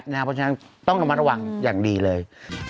เพราะฉะนั้นต้องระมัดระวังอย่างดีเลย